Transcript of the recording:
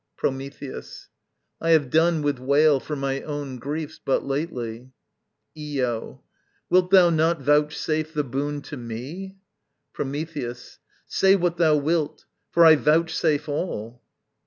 Prometheus. I have done with wail For my own griefs, but lately. Io. Wilt thou not Vouchsafe the boon to me? Prometheus. Say what thou wilt, For I vouchsafe all.